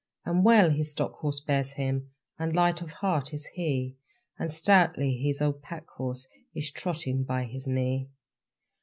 And well his stock horse bears him, And light of heart is he, And stoutly his old pack horse Is trotting by his knee.